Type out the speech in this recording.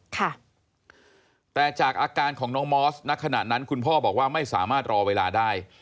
ค่ะแต่จากอาการของน้องมอสณขณะนั้นคุณพ่อบอกว่าไม่สามารถรอเวลาได้